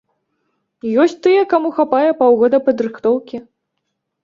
Ёсць тыя, каму хапае паўгода падрыхтоўкі.